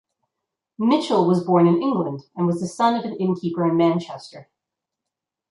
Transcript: Mitchell was born in England and was the son of an innkeeper in Manchester.